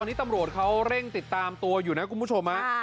ตอนนี้ตำรวจเขาเร่งติดตามตัวอยู่นะคุณผู้ชม